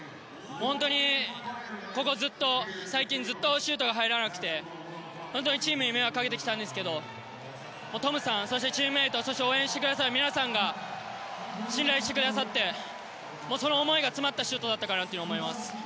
本当に最近ずっとシュートが入らなくてチームに迷惑をかけてきたんですがトムさん、チームメートそして応援してくださる皆さんが信頼してくれてその思いが詰まったシュートだったかなと思います。